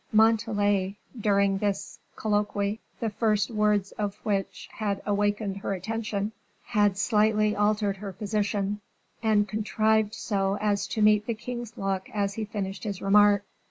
Montalais, during this colloquy, the first words of which had awakened her attention, had slightly altered her position, and contrived so as to meet the king's look as he finished his remark.